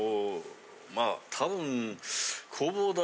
まあ多分。